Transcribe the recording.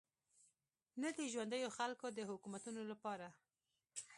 نه د ژونديو خلکو د حکومتونو لپاره.